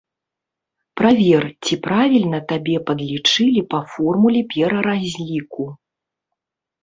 Правер, ці правільна табе падлічылі па формуле пераразліку.